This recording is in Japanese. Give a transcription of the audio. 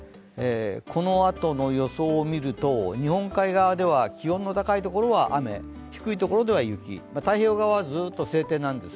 この後の予想を見ると日本海側では気温の高いところは雨、低いところでは雪、太平洋側はずっと晴天なんです。